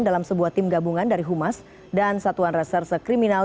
dalam sebuah tim gabungan dari humas dan satuan reserse kriminal